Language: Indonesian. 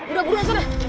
udah burung sudah